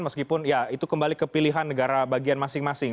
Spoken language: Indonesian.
meskipun ya itu kembali kepilihan negara bagian masing masing